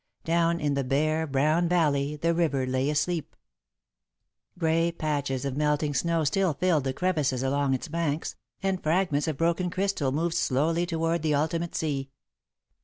Down in the bare, brown valley the river lay asleep. Grey patches of melting snow still filled the crevices along its banks, and fragments of broken crystal moved slowly toward the ultimate sea.